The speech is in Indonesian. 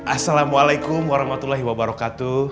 assalamualaikum warahmatullahi wabarakatuh